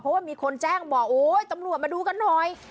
เพราะว่ามีคนแจ้งบอกโอ๊ยตำรวจมาดูกันหน่อย